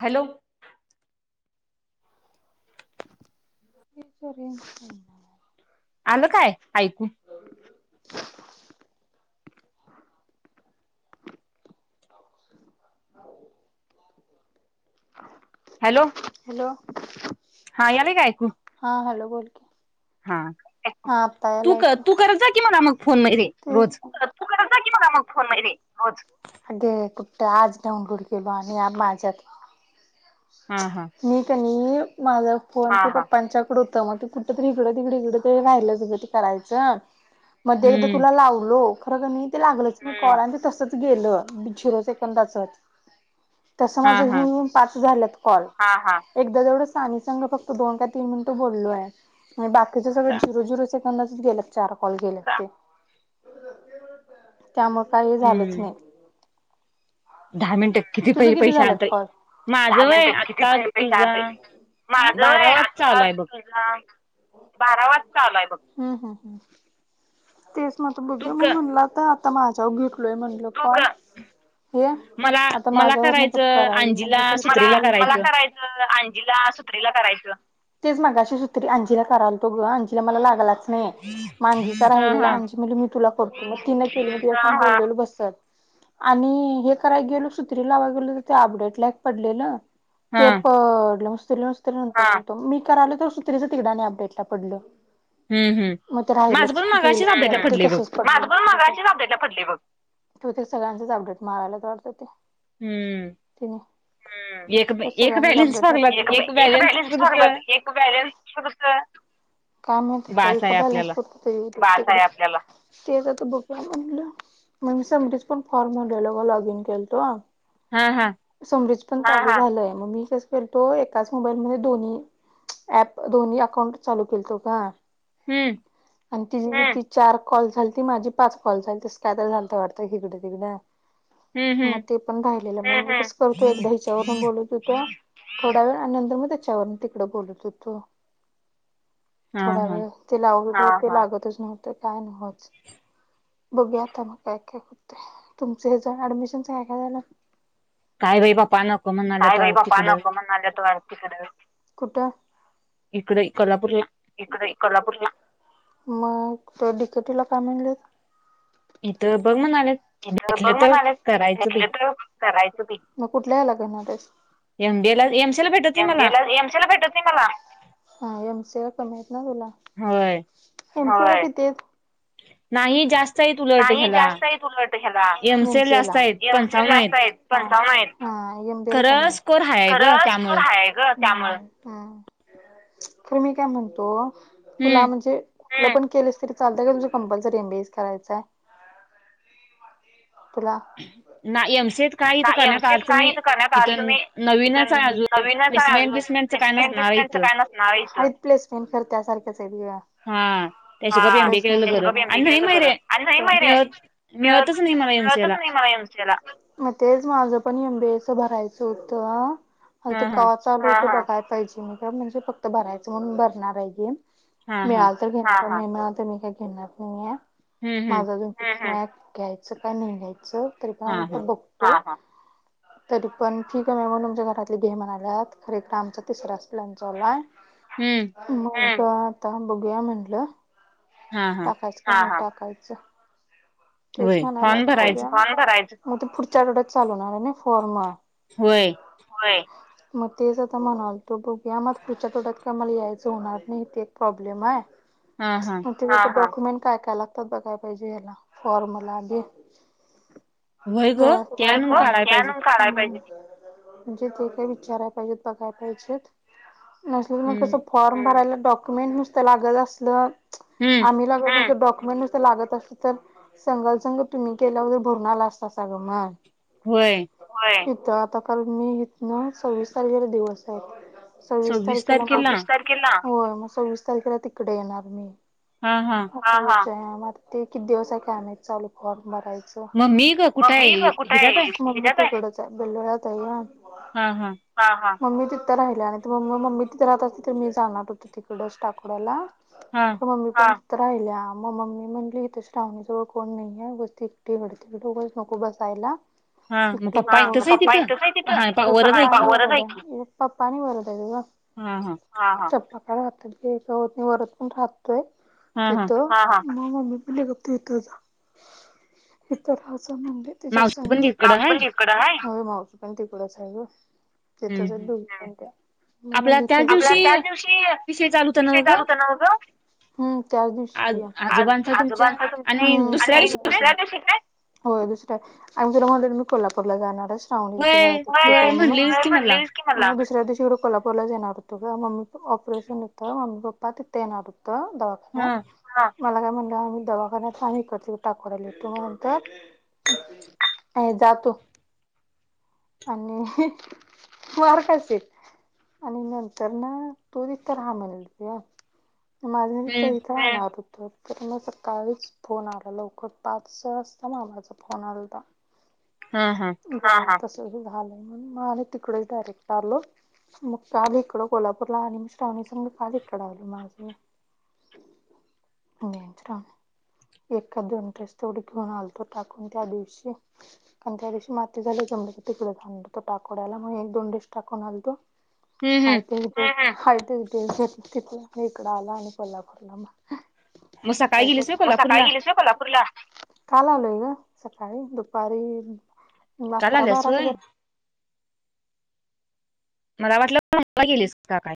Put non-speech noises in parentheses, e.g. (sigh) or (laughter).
Hello (inaudible) आलं काय ऐकू (inaudible) (inaudible) हॅलो हॅलो हा याला काय ऐकू हा हॅलो बोल हा हातायला तू कर आहेऐको तू करत जा की मला मग फोन मध्ये तू रोज क क म मग फोन र तर आज डाउनलोड केल आणि माझ्यात हा हा मी माझा फोन पप्पांच्याकडे होतं मग ते कुठ तरी इकड तिकडे इकडे ते राहिलं ज ते करायचं मध्ये एकदा हम्म तुला लावलोक खरं मी ते लागलंच मी कॉल आणि ते तसच गेलं बी झिरोज एकंदाचच तस हा माझ हन हा हन पाच झालं जव फ दो का त मिन बलो बाकी जिरोजुरो सेकंदचच गेलत चार कॉल गेलत ते त्यामुळे काही झालंच हम्म नाही दहा मिनटं किती तुझं पहि पैसे झाल्यात आणतय कॉल? दहा माझंय मिनिटं किती आत्ता पै पै गा तुझा बाई. माझं बारा वाज चालूय बघ बारा वाजता आलाय बघ तेच मत तू बघे मग क म्हणलं आता आता माझ्यावर घेटलोय म्हणल का हे मला आता मला माझ्यावर नकच करायचं करायल म्हण अंजीला सुत्रीला मला करायचं आंजीला सुत्रीला करायचं तेच माग अशी सुत्री अंजीला करायला तो ग आंजीला मला लागलाच नाही मजी हि हा हा म्ह मी तुला करतो ती के बसत आणि हे करायला गेलो सुत्री लावाय गेलो तर ते अपडेट लायक पडलेलं हा तेपत ततो मी करालो तर सुत्रीच तिडाने अपडेटला पडल हम्म हम् माझं पण मागा तरसच डेटड ब तू ते सगळ्यांचेच अपडेट मारायलाचडत ते तिने हम्म एक त्या एक सगळ्यांनीच बॅलन्स अपडेटला वागलात एक बॅलन्स फरत भरला काम येत होता एका बॅलन्स पत ते ब सम पण फॉर् लॉगन खल्तो हा हा पण झाय मग मी कस करतो एकाच मोबाईल म दोन् ऍप दोन्ही अकाउंट चालू केतो का हम्म आणि ति ती चार कॉल झाली ती माझी पाच कॉल झाली तस काय तर झालत वाटत किकडं तिकडं. हम्म हम्म मग ते पण राहिलेलं मस करतो एकदा हिच्यावरून बोलत होत थोडा वेळ नंतर मग त्याच्यावरून तिकडं बोलत होतो. हा थोडा हा वेळ ते लावी लागतच नव्हत काय नवच बघू आता मग काय काय होते तुमचे जर ऍडमिशनच आहे का झालं? काय बाई बाप्पा नको काय म्हणाल्यात बाई वाट पपा तिकडं नको म्हनाल्यात. कुठ? इकडे कोल्हापूरला. पू मग ते डीकेटीला काय म्हणले? इथ बघ म तिथ बघ म्हणाले भेटले तर करायचं मग कुठल्या मेला घेनार आहे? एमबीए ला एमसीए ला भेटत नाही एमी मला एमसी ला भेटत नाही मला. सेवा कमी आहेत ना. होय एमसीए किती आहे? नाही जास्त. आहेत उलट नाही ह्याला जास्त आहेत उलटत ह्यालाम एम एमसीए सी ला एल जास्त आहेत पंचावन्न जास्त आहेत पंचावन आहेत. हा एम बी ला खरं कमी य स्कोर हाय ग खरं स्कोर त्यामुळं हाय ग, तर मी काय म्हणतो हम्म तुला म्हणजे. पण केलेस तरी चालं का तुम कंपल्सरी एमबीएस करायंय. तुला ना एमसीएत काय इथं नाही करण्यात एमसीएत अर्थ नाही कायथ करण्यात आर्थ इथं नाही इथ नवीनच आहे अजून नवीनय प्लेसमेंट बिसमेंटच काय ्म नसणार आहे इथं रिप्लेसमेंट कर त्यासारख्याच आहेत ब हा त्याशिवाय गप हा एमबीए केलेलं बरं त्याच्याबाब एमबी आणि नाही केलेलं माहि बरं रे आणि नाही मयुरे- मिळत नाही मला एमसीए मिळतच ला नाही मा एम मग तेच माझ पण एम बी भरायच होत. हा हा कवा चालू होते काय माहित. जे मी म्हणजे फक्त भरायच म्हणून भरणार आहे घे हा हा मिळाल तर घे नाही मिळालं तर मी काय काही घेणार नाहीय. हम्म हम्म माझा अजून घ्यायचं का नाही घ्यायचं तरी पण हा आ आ हा बघतो. तरी पण ठीक आहे म मग तुमच्या घरातले घे म्हणाल्यात खरे तर आमचा तिसरा असतो. लाय हम्म मग आता बघूया म्हटलं. हा हा टाकायचं का नाही टाकायचं. तेच व्हय म्हणाले फॉर्म भरायचं आता मग पुढच्या आठवड्यात चालून ना फॉर्म. व्हय होय मग तेच आता म्हणाल तो बघूया मग पुढच्या आठवड्यात क मला यायचं होणार नाही ते एक प्रॉब्लेम आहे. हा हा ते डक्युमेंट काय काय लागतात बघ काय पाहिजे याला फॉर्म लागे व्हय क ग ते आणून काढाय पाहिजे जनून काढायला पाहिजे. म्हणजे ते काय विचाराय पाहिजेत बघाय पाहिजेत. नसलं तर मग हम्म कसं फॉर्म भरायला डॉक्युमेंट नुसतं लागत असलं. हम्म आम्ही (unintelligible) डॉक्युमेंट नुस तं लागत असू तर संगल संंग तुम्ही केल्यावर भरणाला असता सागं म होय. इथं आता काल मी इथना सव्वीस सालगिरा दिवस आहे. सव्वीस तारखेला होय मग सव्वीस तारखेला तिकडे येणार मी. हा हा म ते किती दिवस आहे काय माहित चालू कर बरायचा मग मी ग कुठं मम्मी आहे ह्याच्यात आहे तिकडचं आहे बोललेला तेव्हा हा हा. मम्मी तिथं राहिल्या आणि त म मम्मी तिथं राहत असते तर मी जाणार होती तिकडच टाकोड्याला. हा मम्मी तिथं राहिल्या मग मम्मी म्हंटली इथं श्रावणीजवळ कोण नाहीे आहे वस्ती (unintelligible) नको बसायला हा (unintelligible) मग एकटच आहे पप्पा तिथं हा पा वरच आहे आणि की वरद हायत ग, हा हा च पप्पा राहतात असं होत नाय वरद पण राह तोय हा हा तिथं मग मम्मी बोलली गप तिथं जा इथं रा समन्दे तिच्या मावशी पण संग तिकडं हाय होय मावशी पण तिकडच हाय ग हम्म तिथच हाईत हम्म दोघी पण त्या मग आपला म्हणली तू त्याच दिवशी विषय चालू होता विषय नव्ह चालूच हो ना ग, हम्म त्याच दिवशी आ की या आज आजोबांचा तुमच्या आजोबांचा तुमच्या आणि दुसऱ्या आणि दिवशी काय दुसऱ्या दिवशी काय होय दुसऱ्या आहे (unintelligible) मी कोल्हापूरला जाणार आहेस. श्रावणी च्या होय घरातले होय म्हणलेलीस की मला (unintelligible) दुसऱ्या दिवशी इकडे कोल्हापूला च येणार होतो ग मम्मी प ऑपरेशन होते मम्मी पप्पा तिथे येणार हो तं हा दवाखान्यात मला काय म्हणलं आम्ही दवाखान्यात हाय इकडच्या टाकवड्याला येतो म नंतर ऐ जा तू आणि मार खाशील आणि नंतर न तू तिथं रहा म्हणत्या माझं नित्त हम्म इथं राहत हो तर मग सकाळीच फोन आला लवकर पाच सहा वाजता मामा चा फोन आलता. हा हा. तरी झालंय म्हणून म आम्ही तिकडच डायरेक्ट आलो मग त्या बी इकडं कोल्हापूरला आणि मी श्रा वणी संग काल इकडं आलो माझं मी (unintelligible) मी आणि श्रावणी. एका दोन ड्रेस तेवढे घेऊन आलतो टाकून त्या दिवशी कारण त्या दिवशी माती झाली (unintelligible) तिकडं घेऊन आलतो टाकोवड्याला मग एक दोन ड्रेस टाकून आलतो हम्म हम्म हाय तेवढं हाय त्याच ड्रेस वर तिथून मग इकडं आल आणि कोल्हापूरला मग मग सकाळी गेलीस होय म सकाळी कोल्हापूरला गेलीस ना कोल्हापूरला? काल आलोय ग सकाळी दुपारी मग काल अकरा आल्यास बाराच्या होय दर मला वाटलं (inaudible) गेलीस का काय?